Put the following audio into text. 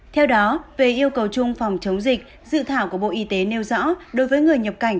theo đó về yêu cầu chung phòng chống dịch dự thảo của bộ y tế nêu rõ đối với người nhập cảnh